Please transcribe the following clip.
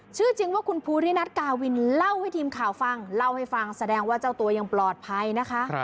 ชื่อจริงว่าคุณภูรินัทกาวินเล่าให้ทีมข่าวฟังเล่าให้ฟังแสดงว่าเจ้าตัวยังปลอดภัยนะคะ